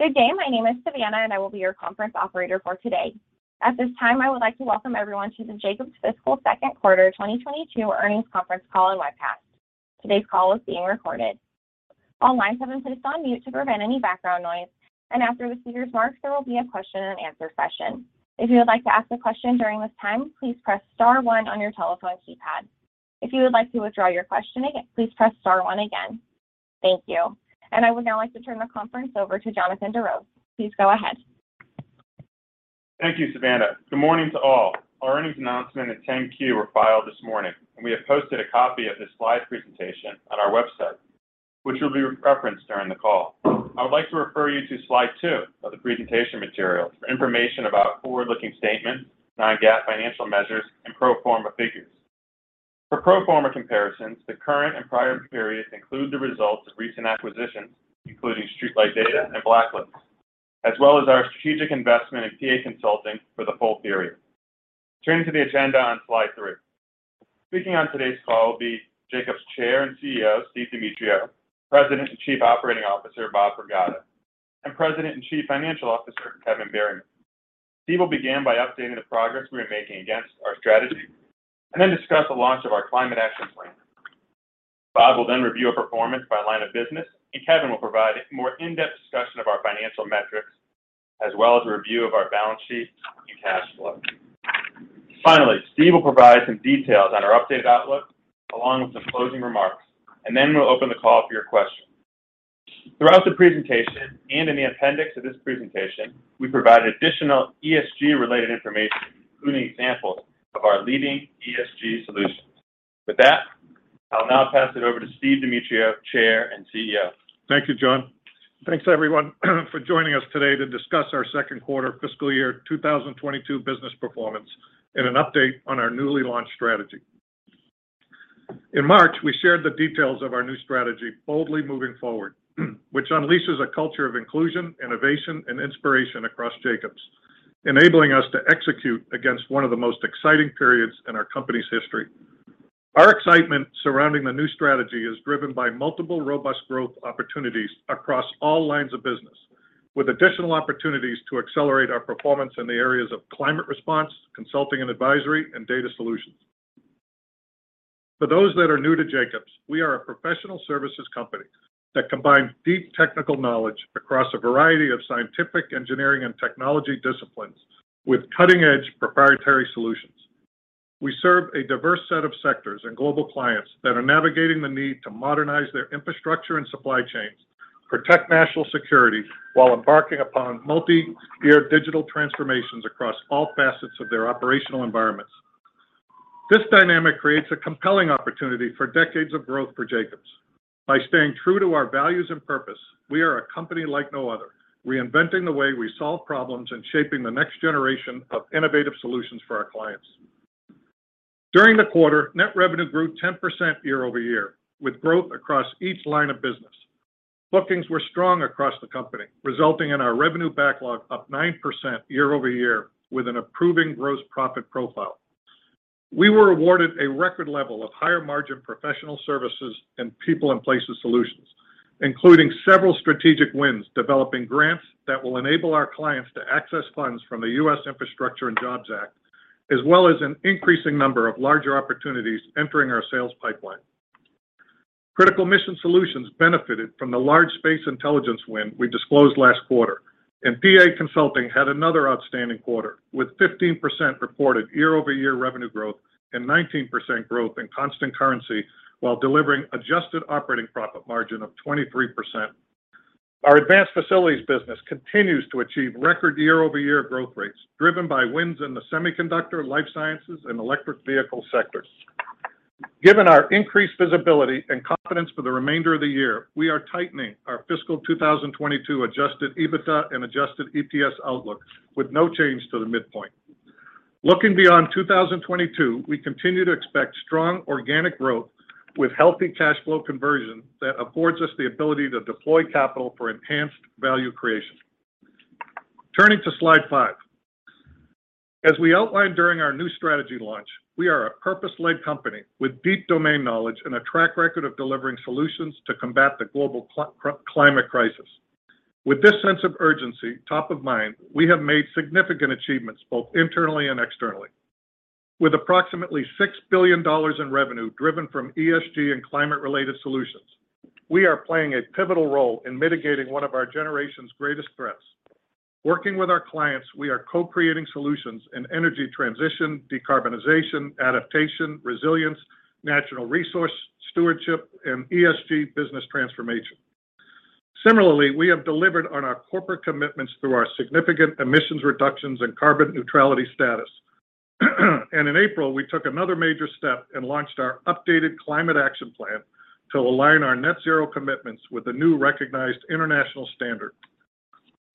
Good day. My name is Savannah, and I will be your conference operator for today. At this time, I would like to welcome everyone to the Jacobs' Fiscal Second Quarter 2022 Earnings Conference Call and Webcast. Today's call is being recorded. All lines have been placed on mute to prevent any background noise, and after the speaker's remarks, there will be a question and answer session. If you would like to ask a question during this time, please press star one on your telephone keypad. If you would like to withdraw your question, again, please press star one again. Thank you. I would now like to turn the conference over to Jonathan Doros. Please go ahead. Thank you, Savannah. Good morning to all. Our earnings announcement and 10-Q were filed this morning, and we have posted a copy of this slide presentation on our website, which will be referenced during the call. I would like to refer you to slide 2 of the presentation materials for information about forward-looking statements, non-GAAP financial measures, and pro forma figures. For pro forma comparisons, the current and prior periods include the results of recent acquisitions, including StreetLight Data and BlackLynx, as well as our strategic investment in PA Consulting for the full period. Turning to the agenda on slide 3. Speaking on today's call will be Jacobs' Chair and CEO, Steve Demetriou, President and Chief Operating Officer, Bob Pragada, and President and Chief Financial Officer, Kevin Berryman. Steve will begin by updating the progress we are making against our strategy and then discuss the launch of our climate action plan. Bob will then review our performance by line of business, and Kevin will provide a more in-depth discussion of our financial metrics, as well as a review of our balance sheet and cash flow. Finally, Steve will provide some details on our updated outlook, along with some closing remarks, and then we'll open the call for your questions. Throughout the presentation and in the appendix of this presentation, we provide additional ESG-related information, including examples of our leading ESG solutions. With that, I'll now pass it over to Steve Demetriou, Chair and CEO. Thank you, John. Thanks everyone for joining us today to discuss our second quarter fiscal year 2022 business performance and an update on our newly launched strategy. In March, we shared the details of our new strategy, Boldly Moving Forward, which unleashes a culture of inclusion, innovation, and inspiration across Jacobs, enabling us to execute against one of the most exciting periods in our company's history. Our excitement surrounding the new strategy is driven by multiple robust growth opportunities across all lines of business, with additional opportunities to accelerate our performance in the areas of climate response, consulting and advisory, and data solutions. For those that are new to Jacobs, we are a professional services company that combines deep technical knowledge across a variety of scientific, engineering, and technology disciplines with cutting-edge proprietary solutions. We serve a diverse set of sectors and global clients that are navigating the need to modernize their infrastructure and supply chains, protect national security while embarking upon multi-year digital transformations across all facets of their operational environments. This dynamic creates a compelling opportunity for decades of growth for Jacobs. By staying true to our values and purpose, we are a company like no other, reinventing the way we solve problems and shaping the next generation of innovative solutions for our clients. During the quarter, net revenue grew 10% year-over-year, with growth across each line of business. Bookings were strong across the company, resulting in our revenue backlog up 9% year-over-year with an improving gross profit profile. We were awarded a record level of higher-margin professional services and People & Places Solutions, including several strategic wins developing grants that will enable our clients to access funds from the Infrastructure Investment and Jobs Act, as well as an increasing number of larger opportunities entering our sales pipeline. Critical Mission Solutions benefited from the large space intelligence win we disclosed last quarter. PA Consulting had another outstanding quarter, with 15% reported year-over-year revenue growth and 19% growth in constant currency while delivering adjusted operating profit margin of 23%. Our advanced facilities business continues to achieve record year-over-year growth rates, driven by wins in the semiconductor, life sciences, and electric vehicle sectors. Given our increased visibility and confidence for the remainder of the year, we are tightening our fiscal 2022 adjusted EBITDA and adjusted EPS outlook with no change to the midpoint. Looking beyond 2022, we continue to expect strong organic growth with healthy cash flow conversion that affords us the ability to deploy capital for enhanced value creation. Turning to slide 5. As we outlined during our new strategy launch, we are a purpose-led company with deep domain knowledge and a track record of delivering solutions to combat the global climate crisis. With this sense of urgency top of mind, we have made significant achievements both internally and externally. With approximately $6 billion in revenue driven from ESG and climate-related solutions, we are playing a pivotal role in mitigating one of our generation's greatest threats. Working with our clients, we are co-creating solutions in energy transition, decarbonization, adaptation, resilience, natural resource stewardship, and ESG business transformation. Similarly, we have delivered on our corporate commitments through our significant emissions reductions and carbon neutrality status. In April, we took another major step and launched our updated climate action plan to align our net zero commitments with the new recognized international standard.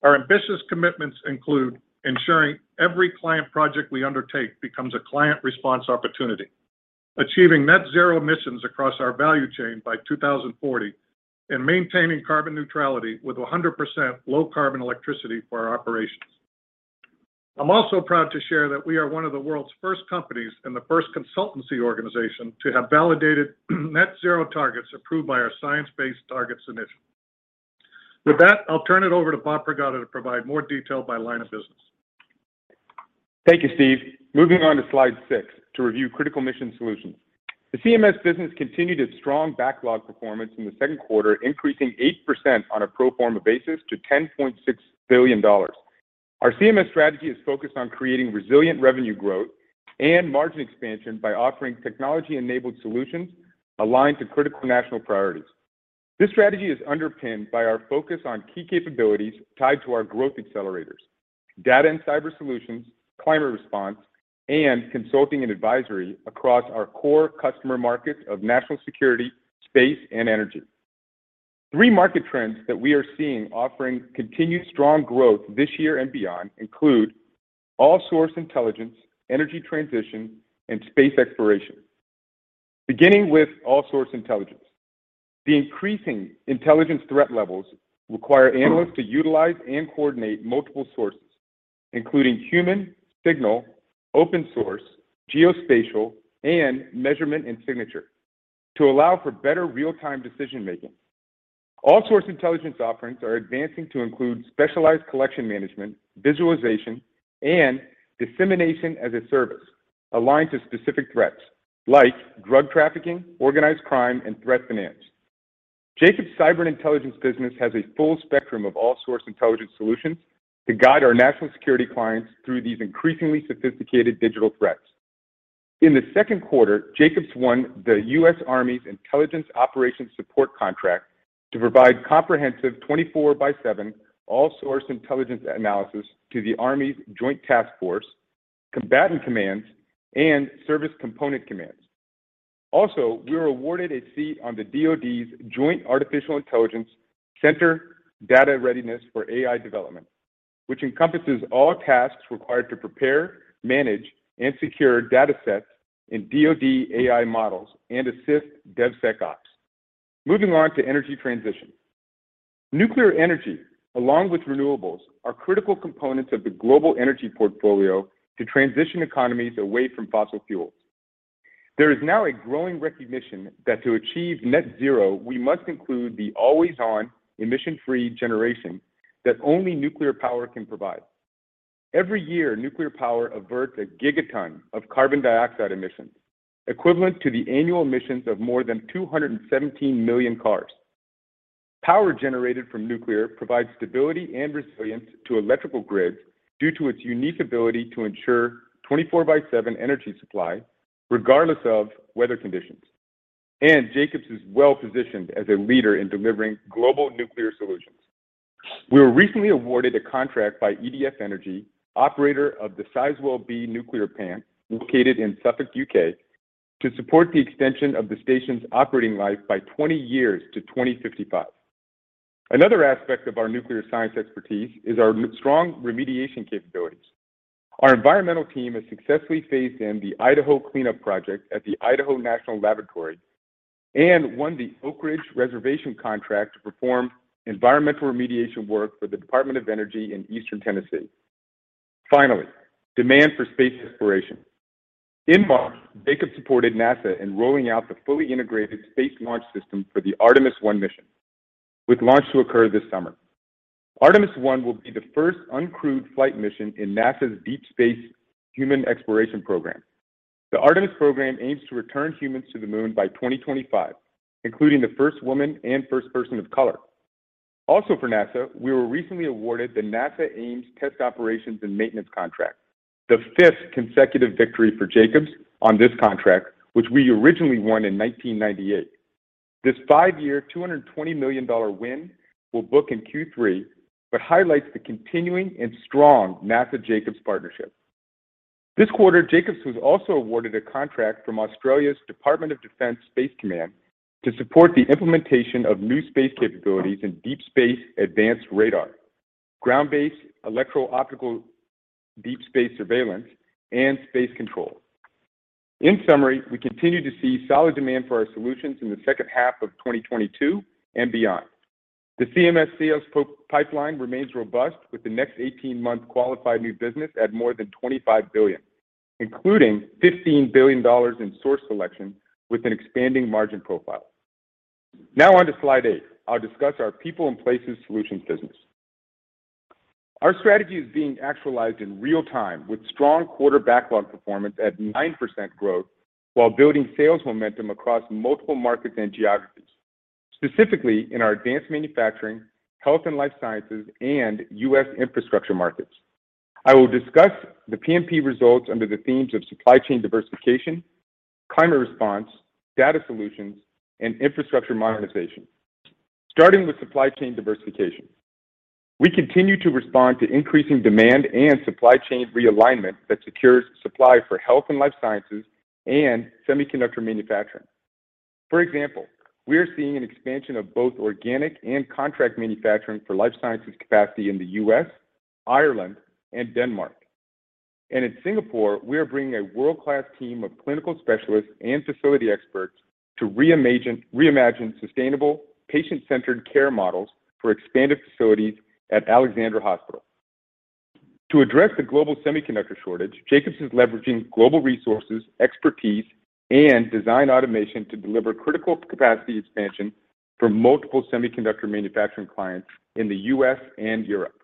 Our ambitious commitments include ensuring every client project we undertake becomes a client response opportunity, achieving net zero emissions across our value chain by 2040, and maintaining carbon neutrality with 100% low carbon electricity for our operations. I'm also proud to share that we are one of the world's first companies and the first consultancy organization to have validated net zero targets approved by our Science Based Targets initiative. With that, I'll turn it over to Bob Pragada to provide more detail by line of business. Thank you, Steve. Moving on to slide 6 to review Critical Mission Solutions. The CMS business continued its strong backlog performance in the second quarter, increasing 8% on a pro forma basis to $10.6 billion. Our CMS strategy is focused on creating resilient revenue growth and margin expansion by offering technology-enabled solutions aligned to critical national priorities. This strategy is underpinned by our focus on key capabilities tied to our growth accelerators: data and cyber solutions, climate response, and consulting and advisory across our core customer markets of national security, space, and energy. Three market trends that we are seeing offering continued strong growth this year and beyond include all-source intelligence, energy transition, and space exploration. Beginning with all-source intelligence. The increasing intelligence threat levels require analysts to utilize and coordinate multiple sources, including human, signal, open source, geospatial, and measurement and signature to allow for better real-time decision-making. All-source intelligence offerings are advancing to include specialized collection management, visualization, and dissemination as a service aligned to specific threats like drug trafficking, organized crime, and threat finance. Jacobs' cyber and intelligence business has a full spectrum of all-source intelligence solutions to guide our national security clients through these increasingly sophisticated digital threats. In the second quarter, Jacobs won the U.S. Army's Intelligence Operations Support contract to provide comprehensive 24 by 7 all-source intelligence analysis to the Army's Joint Task Force, combatant commands, and service component commands. We were awarded a seat on the DOD's Joint Artificial Intelligence Center Data Readiness for AI Development, which encompasses all tasks required to prepare, manage, and secure datasets in DOD AI models and assist DevSecOps. Moving on to energy transition. Nuclear energy, along with renewables, are critical components of the global energy portfolio to transition economies away from fossil fuels. There is now a growing recognition that to achieve net zero, we must include the always-on, emission-free generation that only nuclear power can provide. Every year, nuclear power averts a gigaton of carbon dioxide emissions, equivalent to the annual emissions of more than 217 million cars. Power generated from nuclear provides stability and resilience to electrical grids due to its unique ability to ensure 24 by 7 energy supply regardless of weather conditions. Jacobs is well-positioned as a leader in delivering global nuclear solutions. We were recently awarded a contract by EDF Energy, operator of the Sizewell B nuclear plant located in Suffolk, U.K., to support the extension of the station's operating life by 20 years to 2055. Another aspect of our nuclear science expertise is our strong remediation capabilities. Our environmental team has successfully phased in the Idaho Cleanup Project at the Idaho National Laboratory and won the Oak Ridge Reservation contract to perform environmental remediation work for the Department of Energy in Eastern Tennessee. Finally, demand for space exploration. In March, Jacobs supported NASA in rolling out the fully integrated space launch system for the Artemis One mission, with launch to occur this summer. Artemis One will be the first uncrewed flight mission in NASA's Deep Space Human Exploration Program. The Artemis program aims to return humans to the Moon by 2025, including the first woman and first person of color. Also for NASA, we were recently awarded the NASA Ames Test Operations and Maintenance contract, the fifth consecutive victory for Jacobs on this contract, which we originally won in 1998. This 5-year, $220 million win will book in Q3 but highlights the continuing and strong NASA-Jacobs partnership. This quarter, Jacobs was also awarded a contract from Australia's Defence Space Command to support the implementation of new space capabilities in deep space advanced radar, ground-based electro-optical deep space surveillance, and space control. In summary, we continue to see solid demand for our solutions in the second half of 2022 and beyond. The CMS sales pipeline remains robust with the next 18-month qualified new business at more than $25 billion, including $15 billion in source selection with an expanding margin profile. Now on to slide 8. I'll discuss our People & Places Solutions business. Our strategy is being actualized in real time with strong quarter backlog performance at 9% growth while building sales momentum across multiple markets and geographies, specifically in our advanced manufacturing, health and life sciences, and U.S. infrastructure markets. I will discuss the P&P results under the themes of supply chain diversification, climate response, data solutions, and infrastructure modernization. Starting with supply chain diversification. We continue to respond to increasing demand and supply chain realignment that secures supply for health and life sciences and semiconductor manufacturing. For example, we are seeing an expansion of both organic and contract manufacturing for life sciences capacity in the U.S., Ireland, and Denmark. In Singapore, we are bringing a world-class team of clinical specialists and facility experts to reimagine sustainable patient-centered care models for expanded facilities at Alexandra Hospital. To address the global semiconductor shortage, Jacobs is leveraging global resources, expertise, and design automation to deliver critical capacity expansion for multiple semiconductor manufacturing clients in the U.S. and Europe.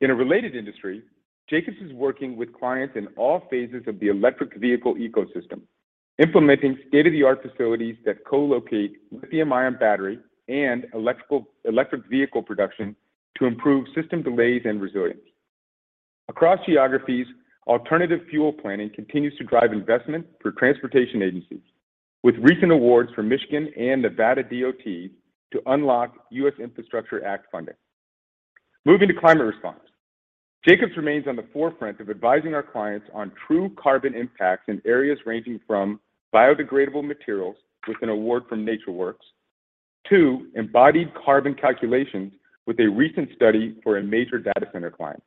In a related industry, Jacobs is working with clients in all phases of the electric vehicle ecosystem, implementing state-of-the-art facilities that co-locate lithium-ion battery and electric vehicle production to improve system delays and resilience. Across geographies, alternative fuel planning continues to drive investment for transportation agencies, with recent awards from Michigan and Nevada DOT to unlock U.S. Infrastructure Investment and Jobs Act funding. Moving to climate response. Jacobs remains on the forefront of advising our clients on true carbon impacts in areas ranging from biodegradable materials with an award from NatureWorks to embodied carbon calculations with a recent study for a major data center client.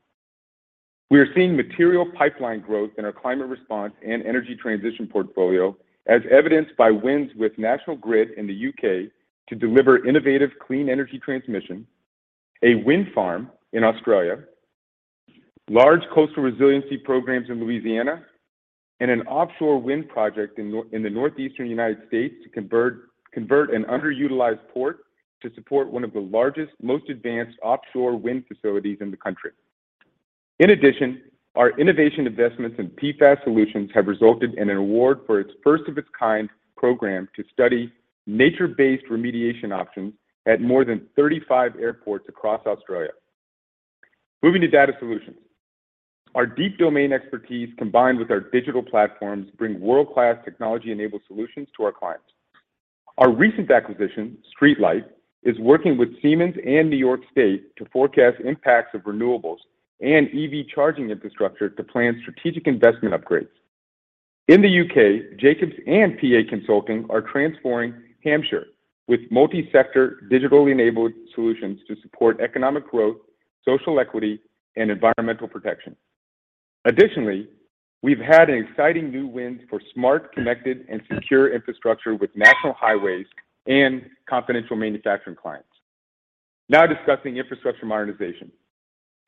We are seeing material pipeline growth in our climate response and energy transition portfolio, as evidenced by wins with National Grid in the U.K. to deliver innovative clean energy transmission, a wind farm in Australia, large coastal resiliency programs in Louisiana, and an offshore wind project in the Northeastern United States to convert an underutilized port to support one of the largest, most advanced offshore wind facilities in the country. In addition, our innovation investments in PFAS solutions have resulted in an award for its first-of-its-kind program to study nature-based remediation options at more than 35 airports across Australia. Moving to data solutions. Our deep domain expertise, combined with our digital platforms, bring world-class technology-enabled solutions to our clients. Our recent acquisition, StreetLight, is working with Siemens and New York State to forecast impacts of renewables and EV charging infrastructure to plan strategic investment upgrades. In the UK, Jacobs and PA Consulting are transforming Hampshire with multi-sector digitally enabled solutions to support economic growth, social equity, and environmental protection. Additionally, we've had an exciting new win for smart, connected, and secure infrastructure with National Highways and confidential manufacturing clients. Now discussing infrastructure modernization.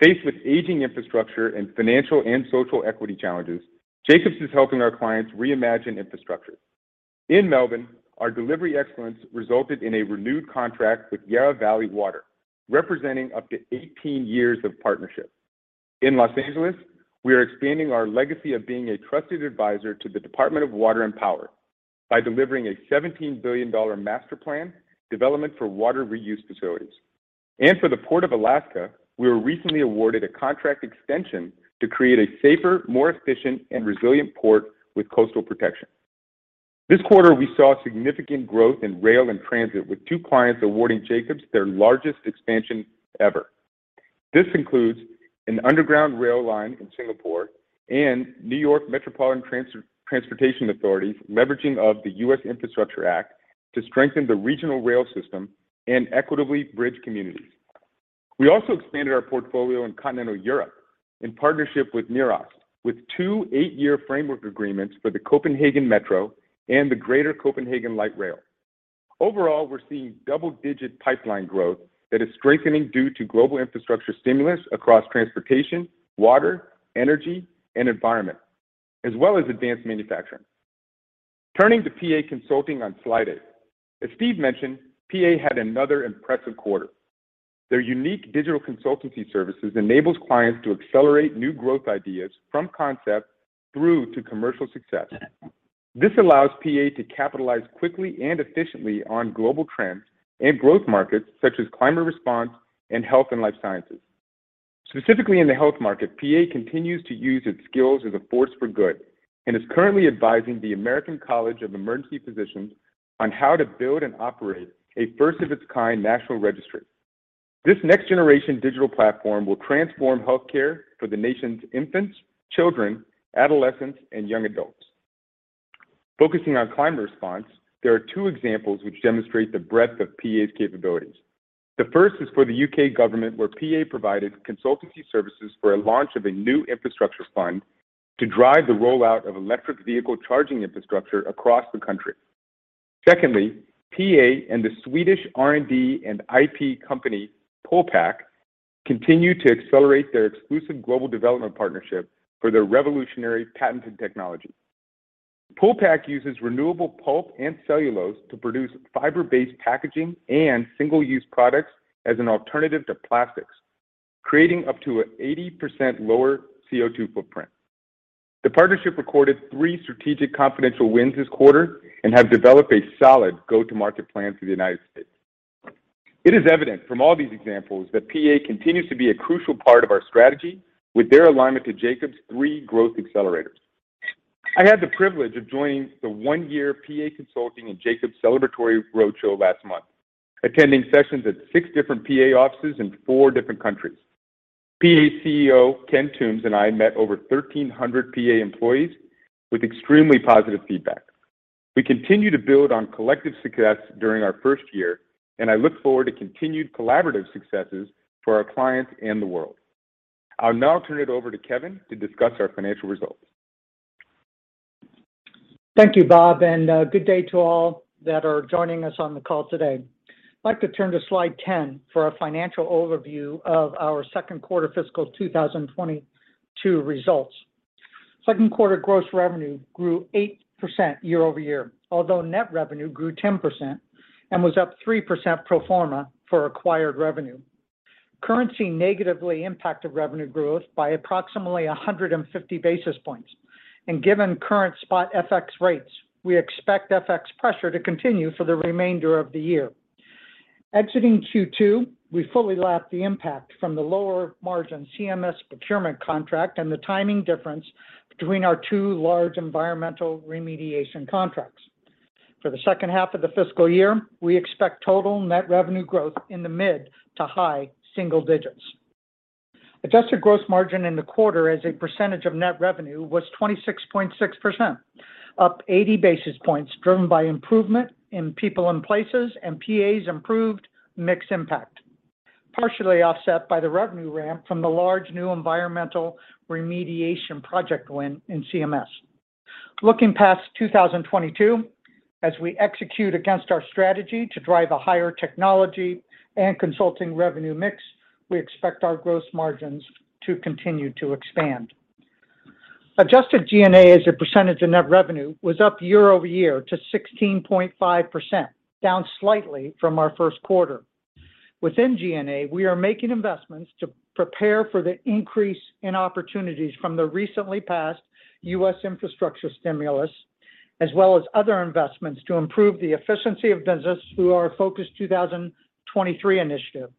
Faced with aging infrastructure and financial and social equity challenges, Jacobs is helping our clients reimagine infrastructure. In Melbourne, our delivery excellence resulted in a renewed contract with Yarra Valley Water, representing up to 18 years of partnership. In Los Angeles, we are expanding our legacy of being a trusted advisor to the Department of Water and Power by delivering a $17 billion master plan development for water reuse facilities. For the Port of Alaska, we were recently awarded a contract extension to create a safer, more efficient, and resilient port with coastal protection. This quarter, we saw significant growth in rail and transit, with two clients awarding Jacobs their largest expansion ever. This includes an underground rail line in Singapore and New York Metropolitan Transportation Authority's leveraging of the U.S. Infrastructure Act to strengthen the regional rail system and equitably bridge communities. We also expanded our portfolio in continental Europe in partnership with NIRAS, with two eight-year framework agreements for the Copenhagen Metro and the Greater Copenhagen Light Rail. Overall, we're seeing double-digit pipeline growth that is strengthening due to global infrastructure stimulus across transportation, water, energy, and environment, as well as advanced manufacturing. Turning to PA Consulting on slide 8. As Steve mentioned, PA had another impressive quarter. Their unique digital consultancy services enables clients to accelerate new growth ideas from concept through to commercial success. This allows PA to capitalize quickly and efficiently on global trends in growth markets such as climate response and health and life sciences. Specifically in the health market, PA continues to use its skills as a force for good and is currently advising the American College of Emergency Physicians on how to build and operate a first-of-its-kind national registry. This next-generation digital platform will transform healthcare for the nation's infants, children, adolescents, and young adults. Focusing on climate response, there are two examples which demonstrate the breadth of PA's capabilities. The first is for the UK government, where PA provided consultancy services for a launch of a new infrastructure fund to drive the rollout of electric vehicle charging infrastructure across the country. Secondly, PA and the Swedish R&D and IP company, PulPac, continue to accelerate their exclusive global development partnership for their revolutionary patented technology. PulPac uses renewable pulp and cellulose to produce fiber-based packaging and single-use products as an alternative to plastics, creating up to an 80% lower CO₂ footprint. The partnership recorded three strategic confidential wins this quarter and have developed a solid go-to-market plan for the United States. It is evident from all these examples that PA continues to be a crucial part of our strategy with their alignment to Jacobs' three growth accelerators. I had the privilege of joining the one-year PA Consulting and Jacobs celebratory roadshow last month, attending sessions at six different PA offices in four different countries. PA CEO Ken Toombs and I met over 1,300 PA employees with extremely positive feedback. We continue to build on collective success during our first year, and I look forward to continued collaborative successes for our clients and the world. I'll now turn it over to Kevin to discuss our financial results. Thank you, Bob, and good day to all that are joining us on the call today. I'd like to turn to slide 10 for our financial overview of our second quarter fiscal 2022 results. Second quarter gross revenue grew 8% year-over-year, although net revenue grew 10% and was up 3% pro forma for acquired revenue. Currency negatively impacted revenue growth by approximately 150 basis points, and given current spot FX rates, we expect FX pressure to continue for the remainder of the year. Exiting Q2, we fully lapped the impact from the lower margin CMS procurement contract and the timing difference between our two large environmental remediation contracts. For the second half of the fiscal year, we expect total net revenue growth in the mid to high single digits. Adjusted gross margin in the quarter as a percentage of net revenue was 26.6%, up 80 basis points driven by improvement in people and places and PA's improved mix impact, partially offset by the revenue ramp from the large new environmental remediation project win in CMS. Looking past 2022, as we execute against our strategy to drive a higher technology and consulting revenue mix, we expect our gross margins to continue to expand. Adjusted G&A as a percentage of net revenue was up year-over-year to 16.5%, down slightly from our first quarter. Within G&A, we are making investments to prepare for the increase in opportunities from the recently passed U.S. infrastructure stimulus, as well as other investments to improve the efficiency of business through our Focus 2023 initiative.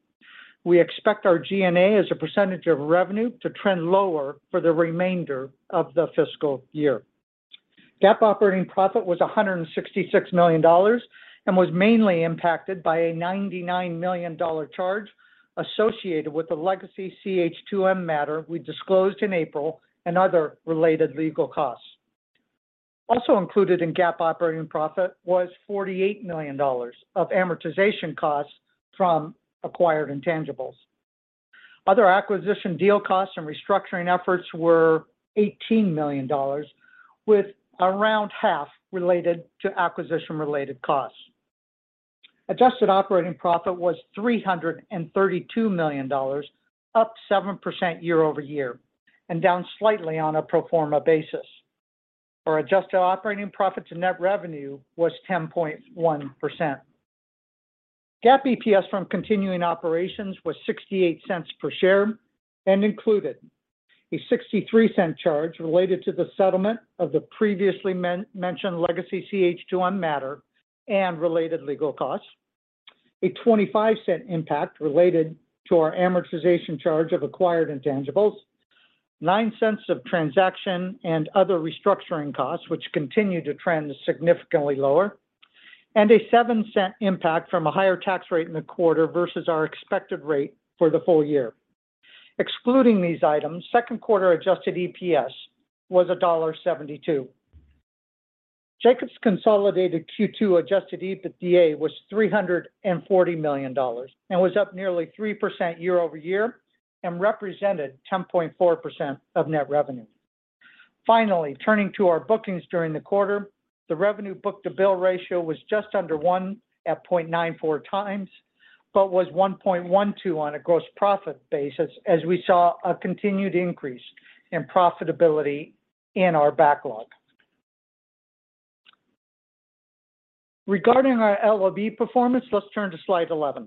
We expect our G&A as a percentage of revenue to trend lower for the remainder of the fiscal year. GAAP operating profit was $166 million and was mainly impacted by a $99 million charge associated with the legacy CH2M matter we disclosed in April and other related legal costs. Also included in GAAP operating profit was $48 million of amortization costs from acquired intangibles. Other acquisition deal costs and restructuring efforts were $18 million, with around half related to acquisition-related costs. Adjusted operating profit was $332 million, up 7% year-over-year, and down slightly on a pro forma basis. Our adjusted operating profit to net revenue was 10.1%. GAAP EPS from continuing operations was $0.68 per share and included a $0.63 charge related to the settlement of the previously mentioned legacy CH2M matter and related legal costs, a $0.25 impact related to our amortization charge of acquired intangibles, $0.09 of transaction and other restructuring costs which continue to trend significantly lower, and a $0.07 impact from a higher tax rate in the quarter versus our expected rate for the full year. Excluding these items, second quarter adjusted EPS was $1.72. Jacobs' consolidated Q2 adjusted EBITDA was $340 million and was up nearly 3% year-over-year and represented 10.4% of net revenue. Finally, turning to our bookings during the quarter, the revenue book-to-bill ratio was just under one at 0.94x but was 1.12x on a gross profit basis as we saw a continued increase in profitability in our backlog. Regarding our LOB performance, let's turn to slide 11.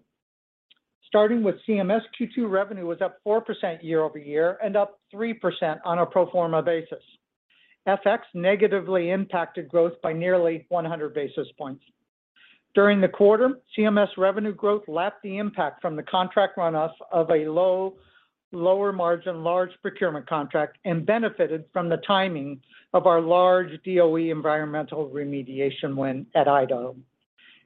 Starting with CMS, Q2 revenue was up 4% year-over-year and up 3% on a pro forma basis. FX negatively impacted growth by nearly 100 basis points. During the quarter, CMS revenue growth lapped the impact from the contract runoff of a lower-margin large procurement contract and benefited from the timing of our large DOE environmental remediation win at Idaho.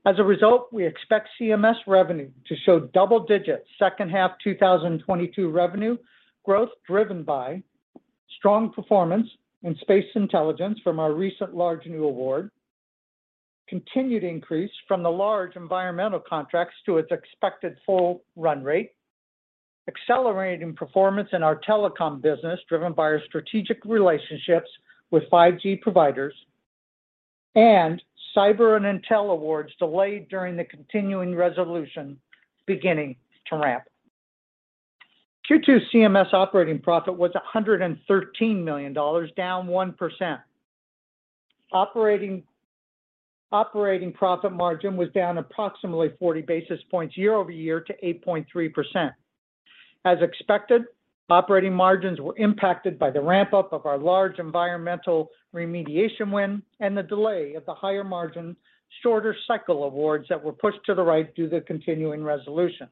As a result, we expect CMS revenue to show double-digit second half 2022 revenue growth driven by strong performance in space intelligence from our recent large new award, continued increase from the large environmental contracts to its expected full run rate, accelerating performance in our telecom business driven by our strategic relationships with 5G providers, and cyber and intel awards delayed during the continuing resolution beginning to ramp. Q2 CMS operating profit was $113 million, down 1%. Operating profit margin was down approximately 40 basis points year-over-year to 8.3%. As expected, operating margins were impacted by the ramp-up of our large environmental remediation win and the delay of the higher margin, shorter cycle awards that were pushed to the right due to the continuing resolution.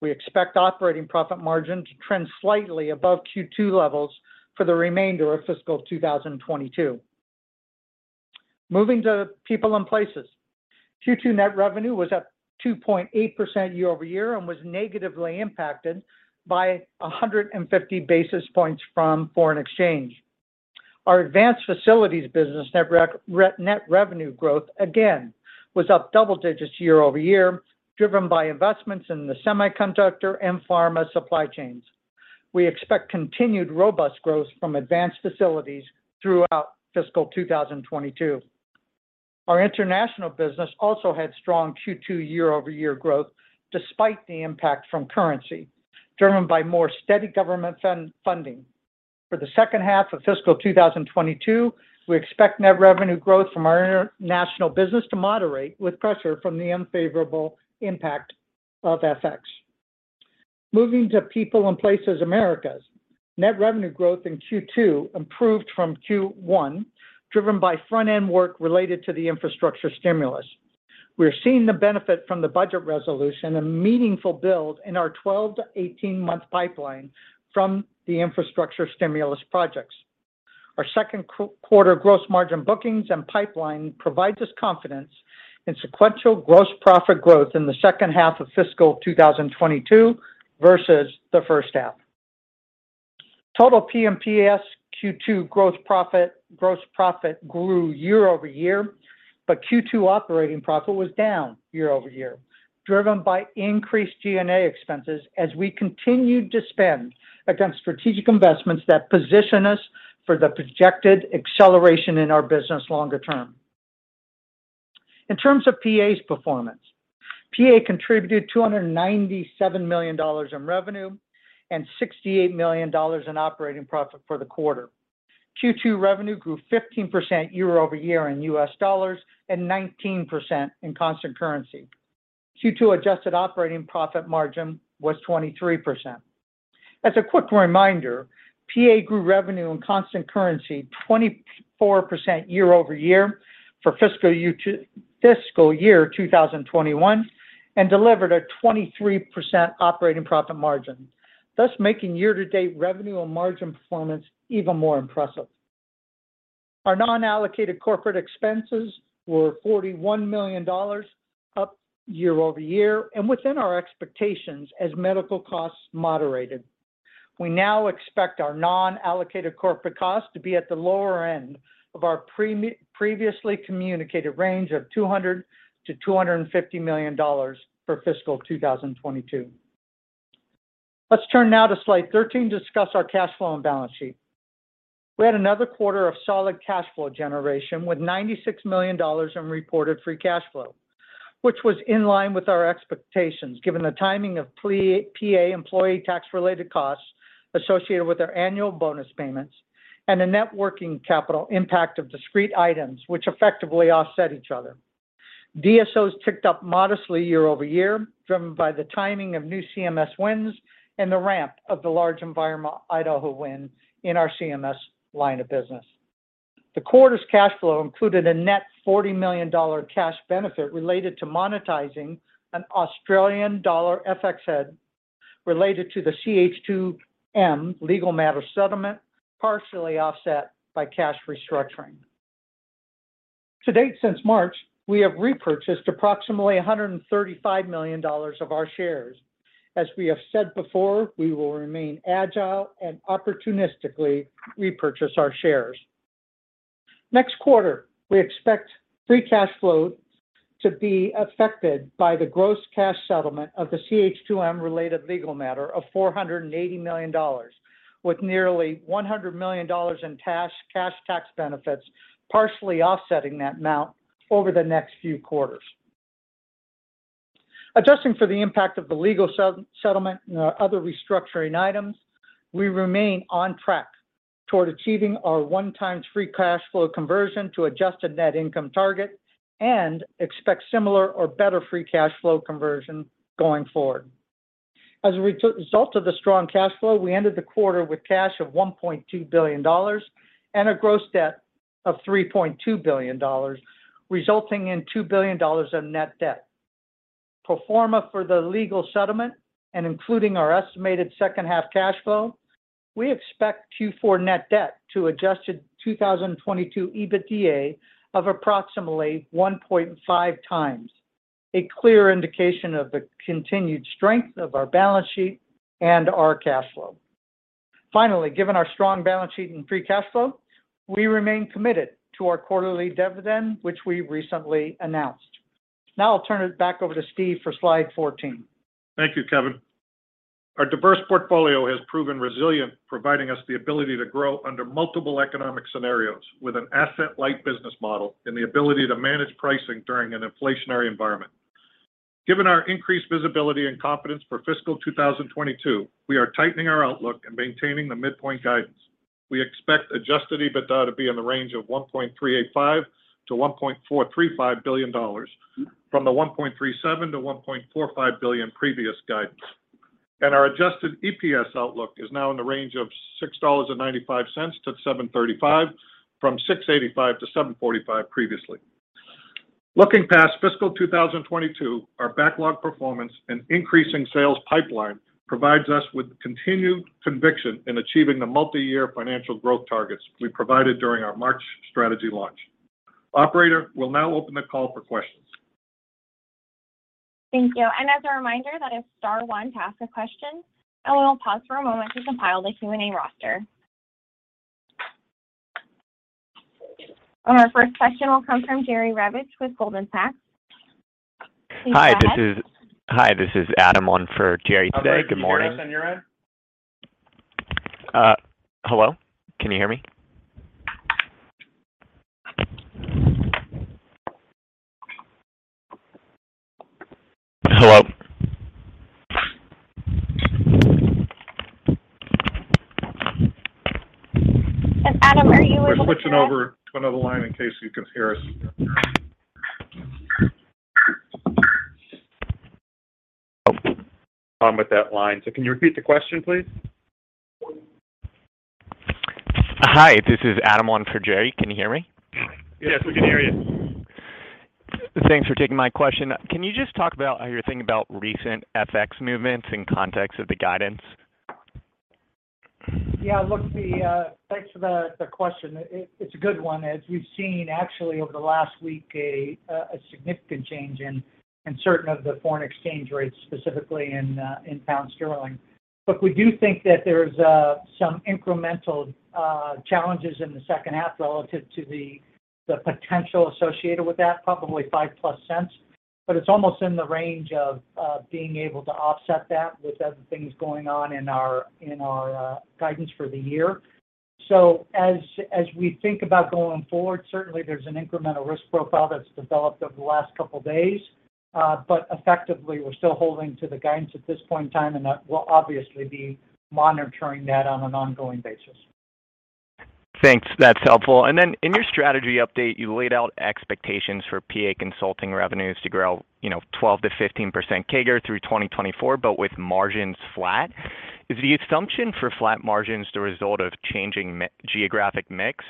We expect operating profit margin to trend slightly above Q2 levels for the remainder of fiscal 2022. Moving to People & Places. Q2 net revenue was up 2.8% year-over-year and was negatively impacted by 150 basis points from foreign exchange. Our advanced facilities business net revenue growth again was up double digits year-over-year, driven by investments in the semiconductor and pharma supply chains. We expect continued robust growth from advanced facilities throughout fiscal 2022. Our international business also had strong Q2 year-over-year growth despite the impact from currency, driven by more steady government funding. For the second half of fiscal 2022, we expect net revenue growth from our international business to moderate with pressure from the unfavorable impact of FX. Moving to People & Places Americas. Net revenue growth in Q2 improved from Q1, driven by front end work related to the infrastructure stimulus. We're seeing the benefit from the budget resolution, a meaningful build in our 12- to 18-month pipeline from the infrastructure stimulus projects. Our second quarter gross margin bookings and pipeline provides us confidence in sequential gross profit growth in the second half of fiscal 2022 versus the first half. Total P&PS Q2 gross profit grew year-over-year, but Q2 operating profit was down year-over-year, driven by increased G&A expenses as we continued to spend against strategic investments that position us for the projected acceleration in our business longer term. In terms of PA's performance, PA contributed $297 million in revenue and $68 million in operating profit for the quarter. Q2 revenue grew 15% year-over-year in US dollars and 19% in constant currency. Q2 adjusted operating profit margin was 23%. As a quick reminder, PA grew revenue in constant currency 24% year-over-year for fiscal year 2021, and delivered a 23% operating profit margin, thus making year-to-date revenue and margin performance even more impressive. Our non-allocated corporate expenses were $41 million, up year-over-year and within our expectations as medical costs moderated. We now expect our non-allocated corporate costs to be at the lower end of our previously communicated range of $200 million-$250 million for fiscal year 2022. Let's turn now to slide 13 to discuss our cash flow and balance sheet. We had another quarter of solid cash flow generation with $96 million in reported free cash flow, which was in line with our expectations, given the timing of PA employee tax-related costs associated with their annual bonus payments and a net working capital impact of discrete items which effectively offset each other. DSOs ticked up modestly year over year, driven by the timing of new CMS wins and the ramp of the large environment Idaho win in our CMS line of business. The quarter's cash flow included a net $40 million cash benefit related to monetizing an Australian dollar FX hedge related to the CH2M legal matter settlement, partially offset by cash restructuring. To date since March, we have repurchased approximately $135 million of our shares. As we have said before, we will remain agile and opportunistically repurchase our shares. Next quarter, we expect free cash flow to be affected by the gross cash settlement of the CH2M related legal matter of $480 million, with nearly $100 million in cash tax benefits partially offsetting that amount over the next few quarters. Adjusting for the impact of the legal settlement and other restructuring items, we remain on track toward achieving our one-time free cash flow conversion to adjusted net income target and expect similar or better free cash flow conversion going forward. As a result of the strong cash flow, we ended the quarter with cash of $1.2 billion and a gross debt of $3.2 billion, resulting in $2 billion of net debt. Pro forma for the legal settlement and including our estimated second half cash flow, we expect Q4 net debt to adjust to 2022 EBITDA of approximately 1.5 times, a clear indication of the continued strength of our balance sheet and our cash flow. Finally, given our strong balance sheet and free cash flow, we remain committed to our quarterly dividend, which we recently announced. Now I'll turn it back over to Steve for slide 14. Thank you, Kevin. Our diverse portfolio has proven resilient, providing us the ability to grow under multiple economic scenarios with an asset-light business model and the ability to manage pricing during an inflationary environment. Given our increased visibility and confidence for fiscal 2022, we are tightening our outlook and maintaining the midpoint guidance. We expect adjusted EBITDA to be in the range of $1.385 billion-$1.435 billion from the $1.37-$1.45 billion previous guidance. Our adjusted EPS outlook is now in the range of $6.95-$7.35 from $6.85-$7.45 previously. Looking past fiscal 2022, our backlog performance and increasing sales pipeline provides us with continued conviction in achieving the multi-year financial growth targets we provided during our March strategy launch. Operator, we'll now open the call for questions. Thank you. As a reminder, that is star one to ask a question, and we'll pause for a moment to compile the Q&A roster. Our first question will come from Jerry Revich with Goldman Sachs. Please go ahead. Hi, this is Adam on for Jerry today. Good morning. I'm sorry. Can you hear us on your end? Hello? Can you hear me? Hello. Adam, are you with us today? We're switching over to another line in case you can hear us. Problem with that line, so can you repeat the question, please? Hi, this is Adam on for Jerry. Can you hear me? Yes, we can hear you. Thanks for taking my question. Can you just talk about how you're thinking about recent FX movements in context of the guidance? Yeah. Look, thanks for the question. It's a good one as we've seen actually over the last week, a significant change in certain of the foreign exchange rates, specifically in pound sterling. Look, we do think that there's some incremental challenges in the second half relative to the potential associated with that, probably $0.05+. It's almost in the range of being able to offset that with other things going on in our guidance for the year. As we think about going forward, certainly there's an incremental risk profile that's developed over the last couple of days. Effectively, we're still holding to the guidance at this point in time, and we'll obviously be monitoring that on an ongoing basis. Thanks. That's helpful. In your strategy update, you laid out expectations for PA Consulting revenues to grow, you know, 12%-15% CAGR through 2024, but with margins flat. Is the assumption for flat margins the result of changing geographic mix?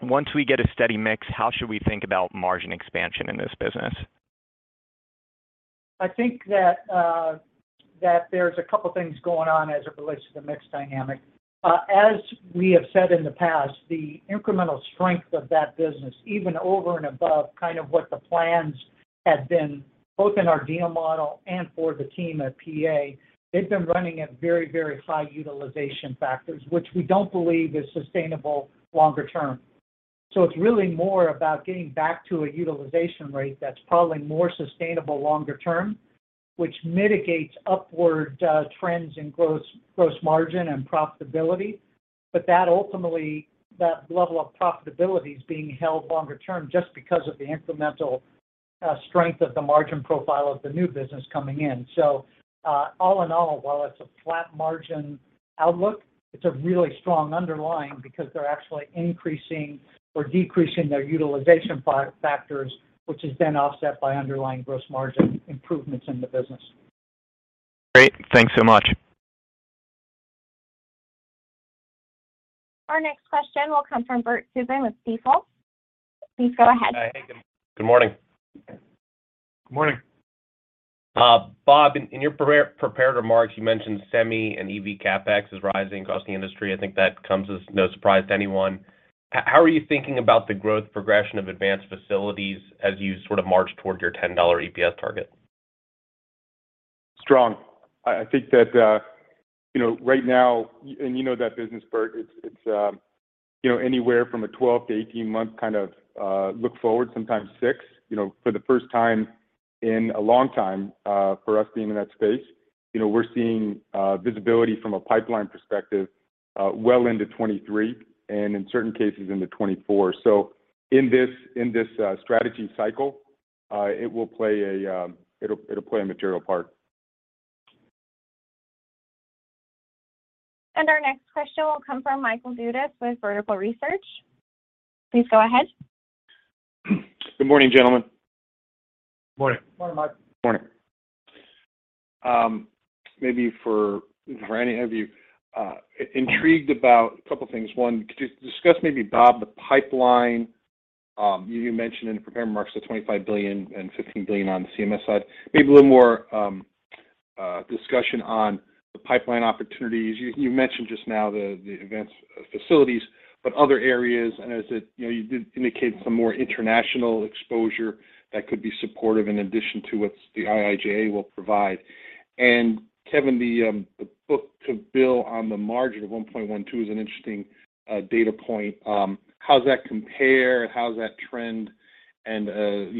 Once we get a steady mix, how should we think about margin expansion in this business? I think that there's a couple of things going on as it relates to the mix dynamic. As we have said in the past, the incremental strength of that business, even over and above kind of what the plans had been both in our deal model and for the team at PA, they've been running at very, very high utilization factors, which we don't believe is sustainable longer term. It's really more about getting back to a utilization rate that's probably more sustainable longer term, which mitigates upward trends in gross margin and profitability. That ultimately, that level of profitability is being held longer term just because of the incremental strength of the margin profile of the new business coming in. All in all, while it's a flat margin outlook, it's a really strong underlying because they're actually increasing or decreasing their utilization factors, which is then offset by underlying gross margin improvements in the business. Great. Thanks so much. Our next question will come from Bert Subin with Stifel. Please go ahead. Hi. Hey, good morning. Good morning. Bob, in your pre-prepared remarks, you mentioned semi and EV CapEx is rising across the industry. I think that comes as no surprise to anyone. How are you thinking about the growth progression of advanced facilities as you sort of march toward your $10 EPS target? Strong. I think that, you know, right now, and you know that business, Bert, it's, you know, anywhere from a 12- to 18-month kind of look forward, sometimes six, you know, for the first time in a long time, for us being in that space. You know, we're seeing visibility from a pipeline perspective, well into 2023 and in certain cases into 2024. In this strategy cycle, it will play a material part. Our next question will come from Michael Dudas with Vertical Research. Please go ahead. Good morning, gentlemen. Morning. Morning, Mike. Morning. Maybe for any of you intrigued about a couple of things. One, could you discuss, maybe Bob, the pipeline you mentioned in the prepared remarks, the $25 billion and $15 billion on the CMS side. Maybe a little more discussion on the pipeline opportunities. You mentioned just now the events facilities, but other areas, and as it you know you did indicate some more international exposure that could be supportive in addition to what the IIJA will provide. Kevin, the book-to-bill on the margin of 1.12 is an interesting data point. How does that compare? How does that trend? You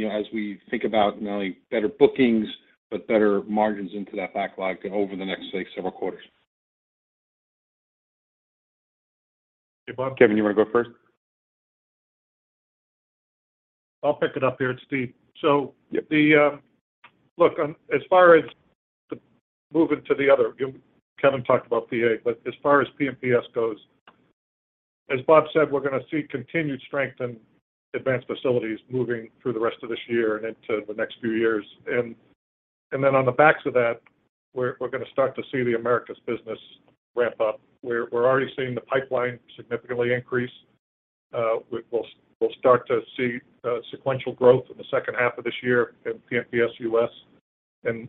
know, as we think about not only better bookings, but better margins into that backlog over the next, say, several quarters. Hey, Bob. Kevin, you want to go first? I'll pick it up here. It's Steve. Look, as far as the moving to the other, Kevin talked about PA, but as far as P&PS goes, as Bob said, we're gonna see continued strength in advanced facilities moving through the rest of this year and into the next few years. Then on the backs of that, we're gonna start to see the Americas business ramp up. We're already seeing the pipeline significantly increase. We'll start to see sequential growth in the second half of this year in P&PS US, and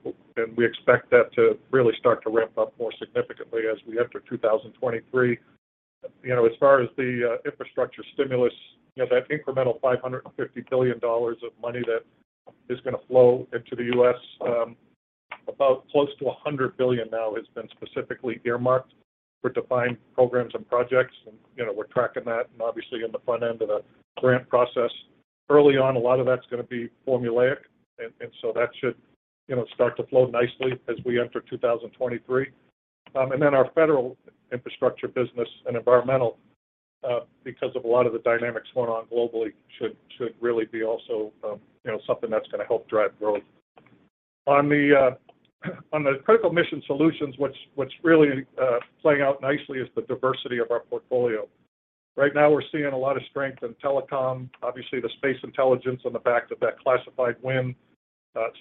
we expect that to really start to ramp up more significantly as we enter 2023. You know, as far as the infrastructure stimulus, you know, that incremental $550 billion of money that is gonna flow into the US, about close to $100 billion now has been specifically earmarked for defined programs and projects. You know, we're tracking that and obviously in the front end of the grant process. Early on, a lot of that's gonna be formulaic and so that should, you know, start to flow nicely as we enter 2023. Then our federal infrastructure business and environmental, because of a lot of the dynamics going on globally, should really be also, you know, something that's gonna help drive growth. On the Critical Mission Solutions, what's really playing out nicely is the diversity of our portfolio. Right now, we're seeing a lot of strength in telecom, obviously the space and intelligence on the back of that classified win.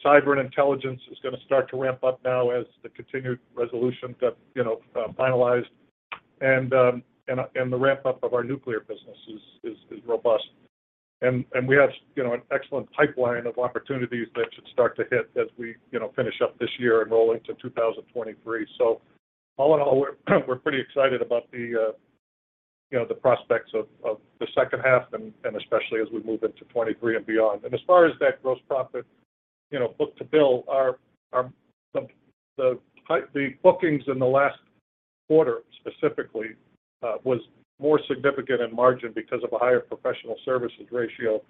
Cyber and intelligence is gonna start to ramp up now as the continuing resolution gets, you know, finalized. And the ramp-up of our nuclear business is robust. And we have, you know, an excellent pipeline of opportunities that should start to hit as we, you know, finish up this year and roll into 2023. All in all, we're pretty excited about the prospects of the second half and especially as we move into 2023 and beyond. As far as that gross profit, book-to-bill, the bookings in the last quarter specifically was more significant in margin because of a higher professional services ratio.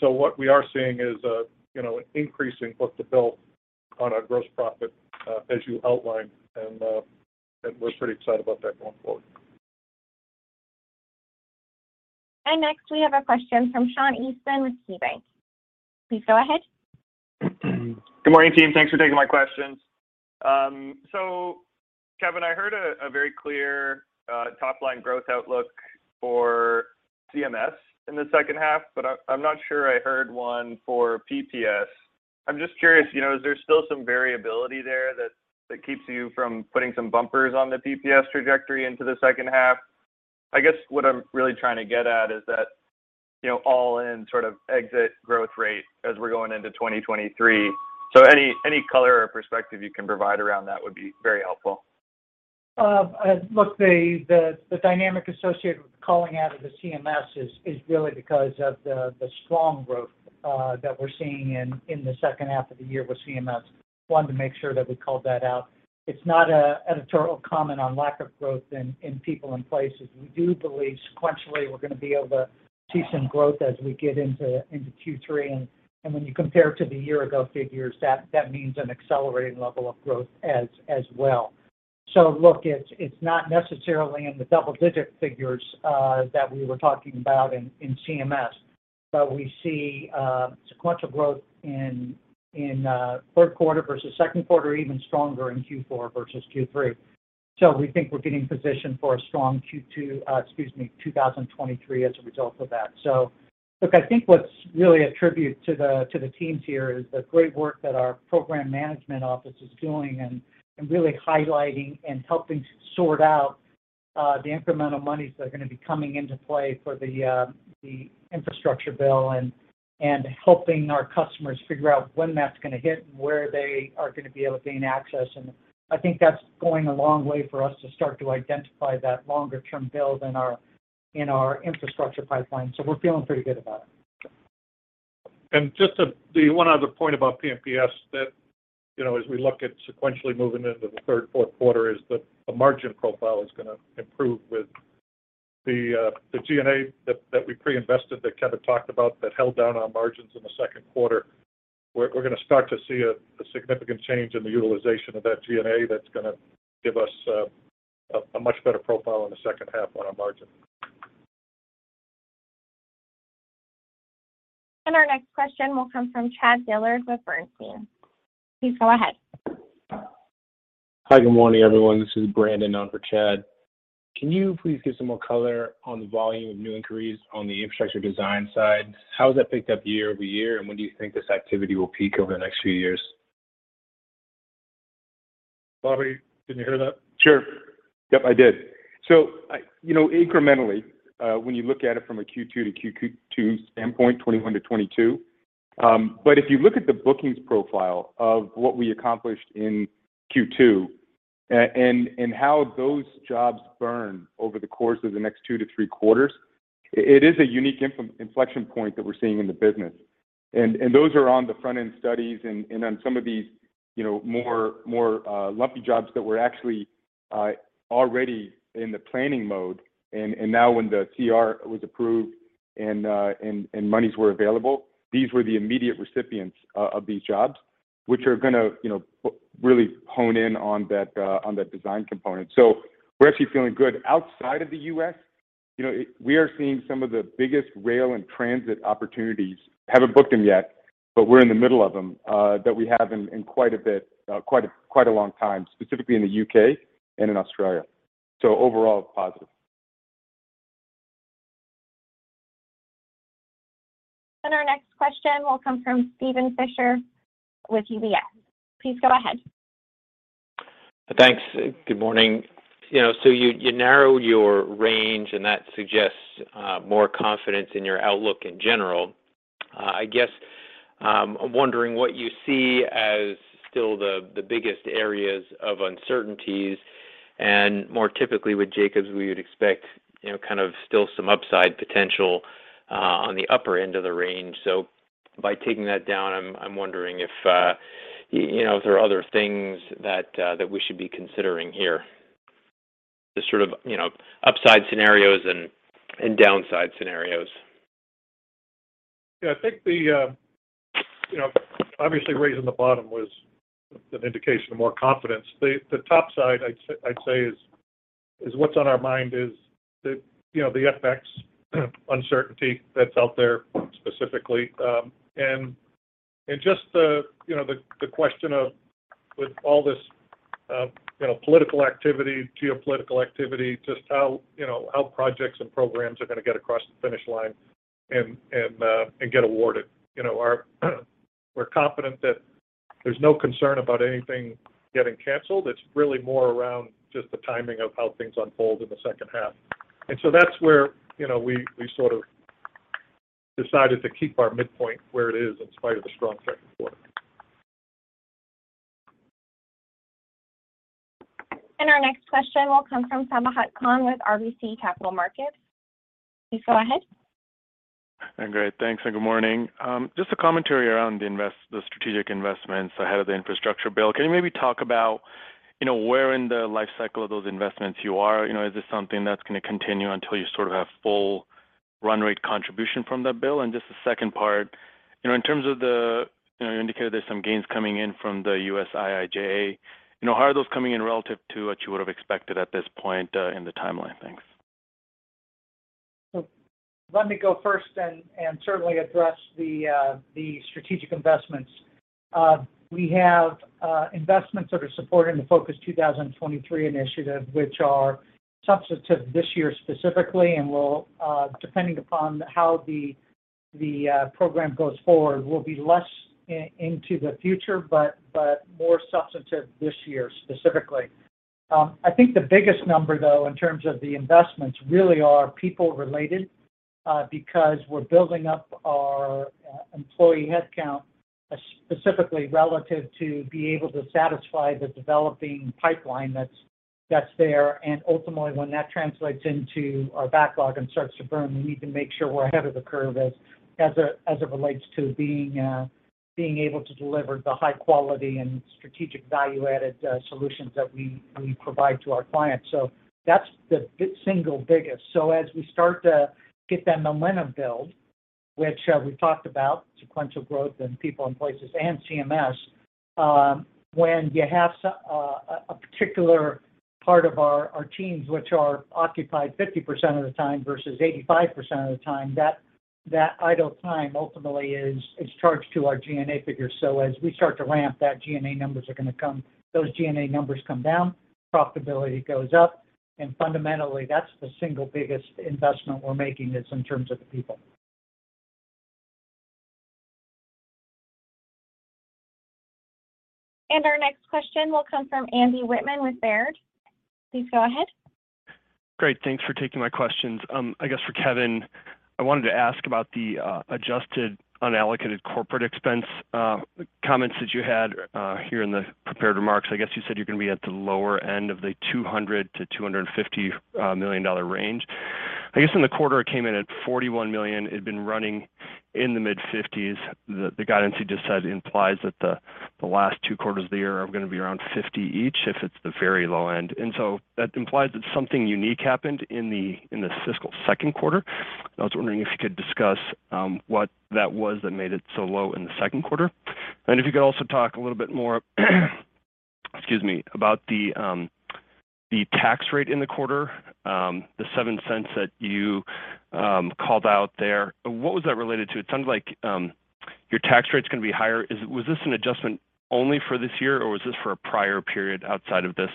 What we are seeing is an increase in book-to-bill on our gross profit as you outlined. We're pretty excited about that going forward. Next, we have a question from Sabahat Khan with KeyBanc. Please go ahead. Good morning, team. Thanks for taking my questions. So Kevin, I heard a very clear top-line growth outlook for CMS in the second half, but I'm not sure I heard one for P&PS. I'm just curious, you know, is there still some variability there that keeps you from putting some bumpers on the P&PS trajectory into the second half? I guess what I'm really trying to get at is that, you know, all-in sort of exit growth rate as we're going into 2023. Any color or perspective you can provide around that would be very helpful. Look, the dynamic associated with the calling out of the CMS is really because of the strong growth that we're seeing in the second half of the year with CMS. Wanted to make sure that we called that out. It's not an editorial comment on lack of growth in People and Places. We do believe sequentially we're gonna be able to see some growth as we get into Q3. When you compare to the year-ago figures, that means an accelerating level of growth as well. Look, it's not necessarily in the double-digit figures that we were talking about in CMS, but we see sequential growth in third quarter versus second quarter, even stronger in Q4 versus Q3. We think we're getting positioned for a strong 2023 as a result of that. Look, I think what's really attributable to the teams here is the great work that our program management office is doing and really highlighting and helping to sort out the incremental monies that are gonna be coming into play for the infrastructure bill and helping our customers figure out when that's gonna hit and where they are gonna be able to gain access. I think that's going a long way for us to start to identify that longer-term build in our infrastructure pipeline. We're feeling pretty good about it. Just the one other point about P&PS that, you know, as we look at sequentially moving into the third, fourth quarter is that the margin profile is gonna improve with the G&A that we pre-invested, that Kevin talked about, that held down our margins in the second quarter. We're gonna start to see a much better profile in the second half on our margin. Our next question will come from Chad Dillard with Bernstein. Please go ahead. Hi, good morning, everyone. This is Brandon on for Chad. Can you please give some more color on the volume of new inquiries on the infrastructure design side? How has that picked up year-over-year, and when do you think this activity will peak over the next few years? Bob, can you hear that? Sure. Yep, I did. You know, incrementally, when you look at it from a Q2 to Q2 standpoint, 2021 to 2022. If you look at the bookings profile of what we accomplished in Q2 and how those jobs burn over the course of the next two to three quarters, it is a unique inflection point that we're seeing in the business. Those are on the front-end studies and on some of these, you know, more lumpy jobs that were actually already in the planning mode. Now when the CR was approved and monies were available, these were the immediate recipients of these jobs, which are gonna, you know, really hone in on that design component. We're actually feeling good. Outside of the U.S. you know, we are seeing some of the biggest rail and transit opportunities, haven't booked them yet, but we're in the middle of them, that we have in quite a bit, quite a long time, specifically in the UK and in Australia. Overall positive. Our next question will come from Steven Fisher with UBS. Please go ahead. Thanks. Good morning. You know, so you narrowed your range, and that suggests more confidence in your outlook in general. I guess, I'm wondering what you see as still the biggest areas of uncertainties and more typically with Jacobs we would expect, you know, kind of still some upside potential on the upper end of the range. By taking that down, I'm wondering if you know, if there are other things that we should be considering here. The sort of, you know, upside scenarios and downside scenarios. Yeah. I think you know, obviously raising the bottom was an indication of more confidence. The top side I'd say is what's on our mind is the you know, the FX uncertainty that's out there specifically. And just the you know, the question of with all this you know, political activity, geopolitical activity, just how you know, how projects and programs are gonna get across the finish line and get awarded. You know, we're confident that there's no concern about anything getting canceled. It's really more around just the timing of how things unfold in the second half. That's where you know, we sort of decided to keep our midpoint where it is in spite of the strong second quarter. Our next question will come from Sabahat Khan with RBC Capital Markets. Please go ahead. Great. Thanks and good morning. Just a commentary around the strategic investments ahead of the infrastructure bill. Can you maybe talk about, you know, where in the life cycle of those investments you are? You know, is this something that's gonna continue until you sort of have full run rate contribution from that bill? Just the second part, you know, in terms of the, you know, you indicated there's some gains coming in from the IIJA. You know, how are those coming in relative to what you would've expected at this point, in the timeline? Thanks. Let me go first and certainly address the strategic investments. We have investments that are supporting the Focus 2023 initiative, which are substantive this year specifically and will, depending upon how the program goes forward, be less into the future, but more substantive this year specifically. I think the biggest number though, in terms of the investments really are people related, because we're building up our employee headcount, specifically relative to be able to satisfy the developing pipeline that's there. Ultimately, when that translates into our backlog and starts to burn, we need to make sure we're ahead of the curve as it relates to being able to deliver the high quality and strategic value-added solutions that we provide to our clients. That's the single biggest. As we start to get that momentum build, which we've talked about, sequential growth and people and places and CMS, when you have a particular part of our teams which are occupied 50% of the time versus 85% of the time, that idle time ultimately is charged to our G&A figure. As we start to ramp that G&A numbers are gonna come those G&A numbers come down, profitability goes up, and fundamentally, that's the single biggest investment we're making is in terms of the people. Our next question will come from Andrew Wittmann with Baird. Please go ahead. Great. Thanks for taking my questions. I guess for Kevin, I wanted to ask about the adjusted unallocated corporate expense comments that you had here in the prepared remarks. I guess you said you're gonna be at the lower end of the $200 million-$250 million range. I guess in the quarter it came in at $41 million. It had been running in the mid-$50s. The guidance you just said implies that the last two quarters of the year are gonna be around $50 million each if it's the very low end. That implies that something unique happened in the fiscal second quarter. I was wondering if you could discuss what that was that made it so low in the second quarter. If you could also talk a little bit more, excuse me, about the tax rate in the quarter, the $0.07 that you called out there. What was that related to? It sounds like your tax rate's gonna be higher. Was this an adjustment only for this year, or was this for a prior period outside of this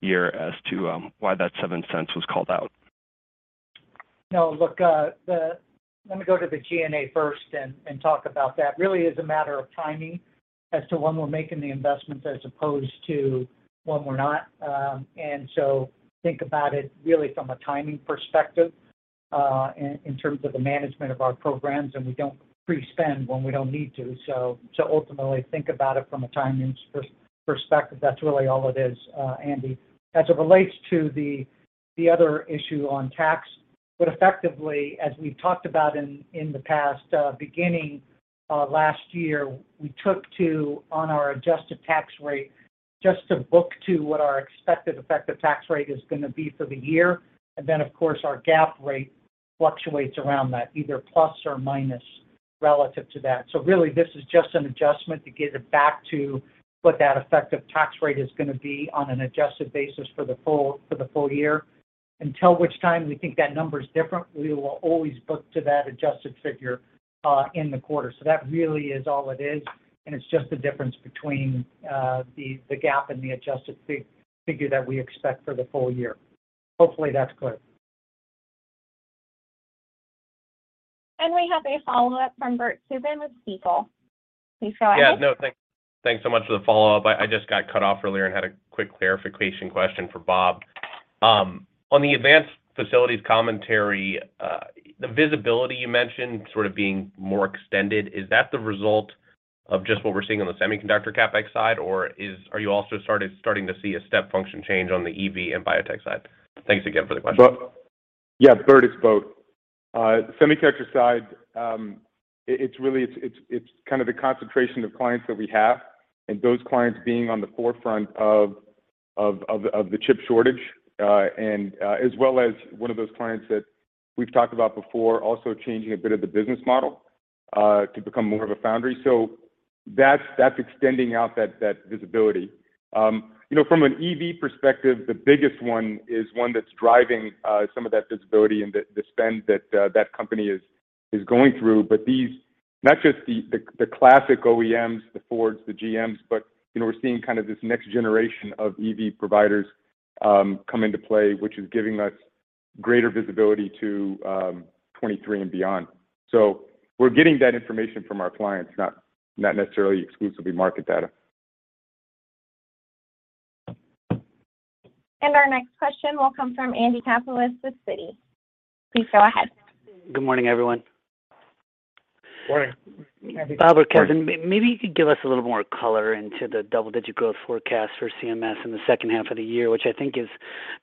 year as to why that $0.07 was called out? No, look. Let me go to the G&A first and talk about that. Really is a matter of timing as to when we're making the investments as opposed to when we're not. Think about it really from a timing perspective, in terms of the management of our programs, and we don't pre-spend when we don't need to. Ultimately think about it from a timing perspective. That's really all it is, Andy. As it relates to the other issue on tax, but effectively, as we've talked about in the past, beginning last year, we took two on our adjusted tax rate, just to book to what our expected effective tax rate is gonna be for the year. Of course, our GAAP rate fluctuates around that, either plus or minus relative to that. Really this is just an adjustment to get it back to what that effective tax rate is gonna be on an adjusted basis for the full year, until which time we think that number is different. We will always book to that adjusted figure in the quarter. That really is all it is, and it's just the difference between the GAAP and the adjusted figure that we expect for the full year. Hopefully, that's clear. We have a follow-up from Bert Subin with Stifel. Yeah, no, thanks so much for the follow-up. I just got cut off earlier and had a quick clarification question for Bob. On the advanced facilities commentary, the visibility you mentioned sort of being more extended, is that the result of just what we're seeing on the semiconductor CapEx side, or are you also starting to see a step function change on the EV and biotech side? Thanks again for the question. Yeah, third is both. The semiconductor side, it's really kind of the concentration of clients that we have and those clients being on the forefront of the chip shortage. And as well as one of those clients that we've talked about before, also changing a bit of the business model to become more of a foundry. That's extending out that visibility. You know, from an EV perspective, the biggest one is one that's driving some of that visibility and the spend that that company is going through. These, not just the classic OEMs, the Ford, the GM, but you know, we're seeing kind of this next generation of EV providers come into play, which is giving us greater visibility to 2023 and beyond. We're getting that information from our clients, not necessarily exclusively market data. Our next question will come from Andy Kaplowitz with Citi. Please go ahead. Good morning, everyone. Morning, Andy. Bob or Kevin, maybe you could give us a little more color into the double-digit growth forecast for CMS in the second half of the year, which I think is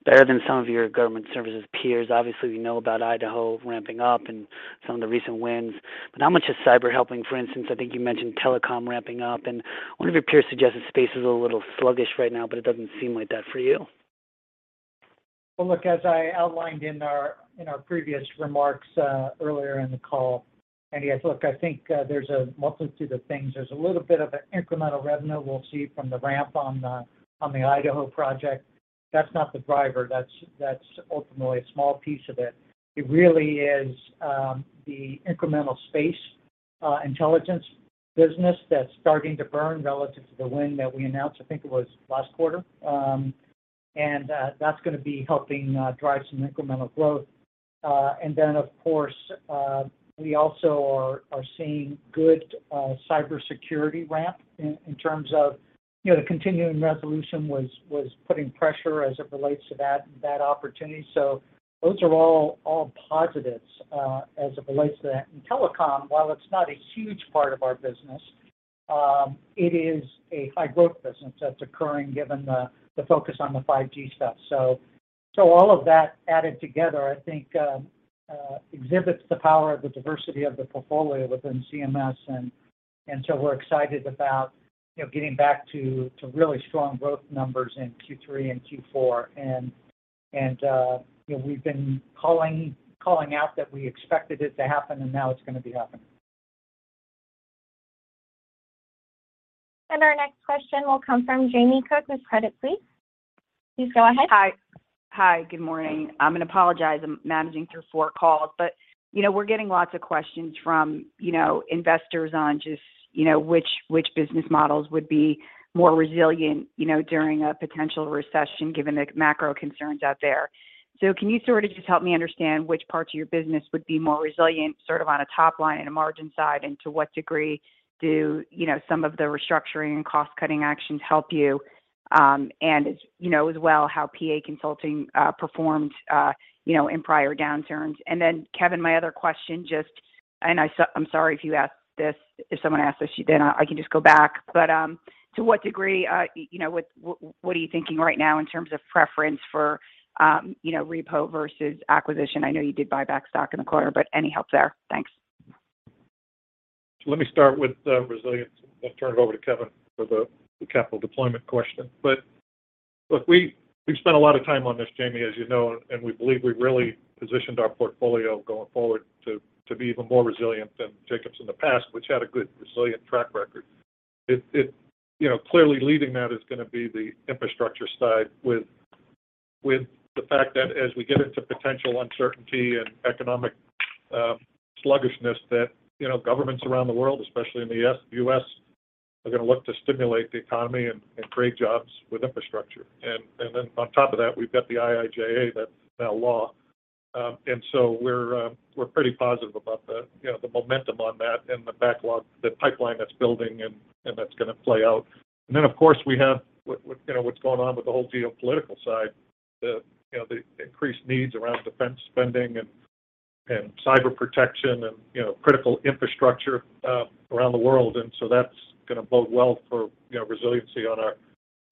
better than some of your government services peers. Obviously, we know about Idaho ramping up and some of the recent wins. How much is cyber helping, for instance? I think you mentioned telecom ramping up, and one of your peers suggested space is a little sluggish right now, but it doesn't seem like that for you. Well, look, as I outlined in our previous remarks earlier in the call, Andy, look, I think there's a multitude of things. There's a little bit of an incremental revenue we'll see from the ramp on the Idaho Cleanup Project. That's not the driver. That's ultimately a small piece of it. It really is the incremental space and intelligence business that's starting to burn relative to the win that we announced, I think it was last quarter. That's gonna be helping drive some incremental growth. Then of course, we also are seeing good cybersecurity ramp in terms of, you know, the continuing resolution was putting pressure as it relates to that opportunity. Those are all positives as it relates to that. In telecom, while it's not a huge part of our business, it is a high-growth business that's occurring given the focus on the 5G stuff. All of that added together, I think, exhibits the power of the diversity of the portfolio within CMS. You know, getting back to really strong growth numbers in Q3 and Q4. You know, we've been calling out that we expected it to happen and now it's gonna be happening. Our next question will come from Jamie Cook with Credit Suisse. Please go ahead. Hi. Hi, good morning. I'm gonna apologize. I'm managing through four calls, but you know, we're getting lots of questions from, you know, investors on just, you know, which business models would be more resilient, you know, during a potential recession given the macro concerns out there. Can you sort of just help me understand which parts of your business would be more resilient sort of on a top line and a margin side, and to what degree do you know some of the restructuring and cost-cutting actions help you? You know, as well how PA Consulting performed, you know, in prior downturns. Kevin, my other question just, I'm sorry if you asked this, if someone asked this, then I can just go back. To what degree, you know, with what are you thinking right now in terms of preference for, you know, repo versus acquisition? I know you did buy back stock in the quarter, but any help there? Thanks. Let me start with resilience and then turn it over to Kevin for the capital deployment question. Look, we've spent a lot of time on this, Jamie, as you know, and we believe we've really positioned our portfolio going forward to be even more resilient than Jacobs in the past, which had a good resilient track record. It, you know, clearly leading that is gonna be the infrastructure side with the fact that as we get into potential uncertainty and economic sluggishness that, you know, governments around the world, especially in the U.S., are gonna look to stimulate the economy and create jobs with infrastructure. On top of that, we've got the IIJA, that's now law. We're pretty positive about the, you know, the momentum on that and the backlog, the pipeline that's building and that's gonna play out. Then of course we have what you know, what's going on with the whole geopolitical side. The, you know, the increased needs around defense spending and cyber protection and, you know, critical infrastructure around the world. That's gonna bode well for, you know, resiliency on our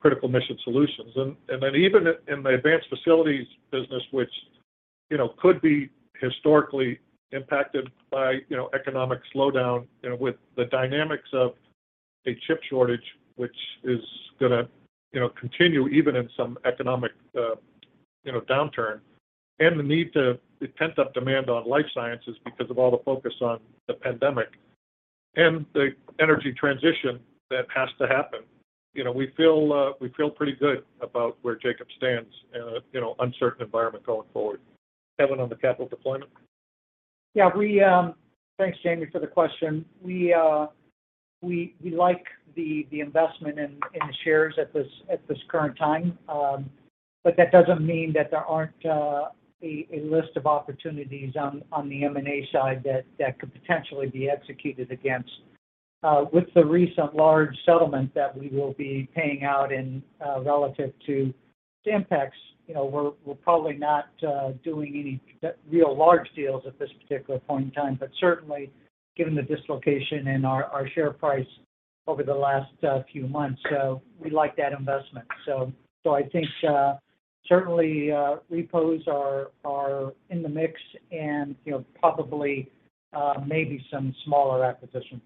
Critical Mission Solutions. Then even in the advanced facilities business, which you know could be historically impacted by economic slowdown you know with the dynamics of a chip shortage, which is gonna continue even in some economic downturn and the need to pent-up demand on life sciences because of all the focus on the pandemic and the energy transition that has to happen. You know we feel pretty good about where Jacobs stands in a uncertain environment going forward. Kevin, on the capital deployment. Yeah, thanks Jamie for the question. We like the investment in the shares at this current time. But that doesn't mean that there aren't a list of opportunities on the M&A side that could potentially be executed against. With the recent large settlement that we will be paying out in relation to the impacts. You know, we're probably not doing any real large deals at this particular point in time, but certainly given the dislocation in our share price over the last few months, we like that investment. I think certainly repos are in the mix and you know, probably maybe some smaller acquisitions.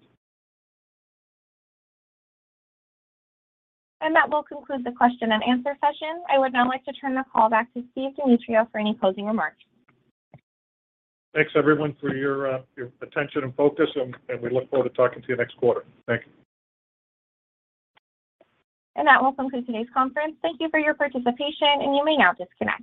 That will conclude the question and answer session. I would now like to turn the call back to Steve Demetriou for any closing remarks. Thanks everyone for your attention and focus, and we look forward to talking to you next quarter. Thank you. That will conclude today's conference. Thank you for your participation, and you may now disconnect.